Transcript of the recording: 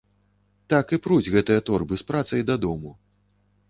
Так і пруць гэтыя торбы з працай дадому.